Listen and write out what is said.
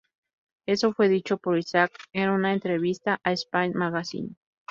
Eso fue dicho por Isaac en una entrevista a "Spin Magazine".